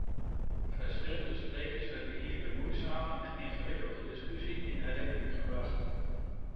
Verschillende sprekers hebben hier de moeizame en ingewikkelde discussies in herinnering gebracht.